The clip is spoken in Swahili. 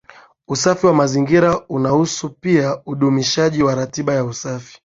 Usafi wa mazingira unahusu pia udumishaji wa ratiba ya usafi